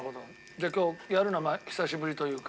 じゃあ今日やるの久しぶりというか。